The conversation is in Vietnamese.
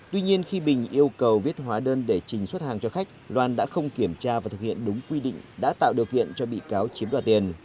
tuy nhiên khi bình yêu cầu viết hóa đơn để trình xuất hàng cho khách loan đã không kiểm tra và thực hiện đúng quy định đã tạo điều kiện cho bị cáo chiếm đoạt tiền